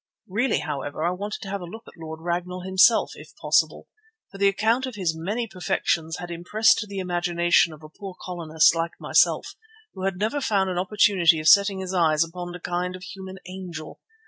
Really, however, I wanted to have a look at Lord Ragnall himself, if possible, for the account of his many perfections had impressed the imagination of a poor colonist like myself, who had never found an opportunity of setting his eyes upon a kind of human angel.